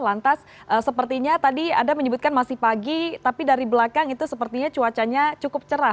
lantas sepertinya tadi anda menyebutkan masih pagi tapi dari belakang itu sepertinya cuacanya cukup cerah